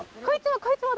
こいつも。